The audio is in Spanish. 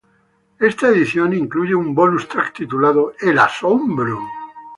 Esta edición, incluye un bonus track, titulado "El Asombro".